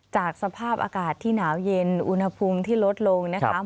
จากสภาพอากาศที่หนาวเย็นอุณหภูมิที่ลดลงนะคะ